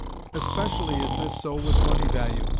Especially is this so with money values.